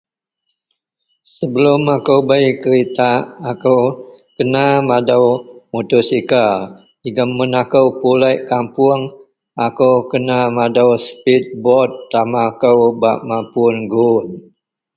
Sebelum akou bei keritak akou kena madow motosikal jegem mun akou pulek kapoung akou kena madow speed boat tama kou bak mapun gowon.